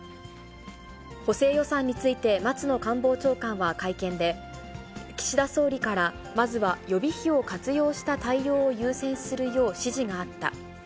補正予算について、松野官房長官は会見で、岸田総理からまずは予備費を活用した対応を優先するよう指示があった。